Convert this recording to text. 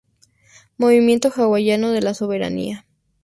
Movimiento Hawaiano de la Soberanía